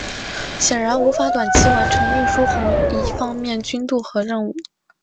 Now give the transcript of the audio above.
显然无法短期完成运输红一方面军渡河任务。